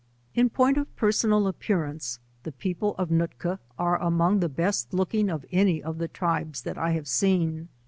In point of personal appearance the people of Nootka are among the best looking of any of the tribe^ that I have seen.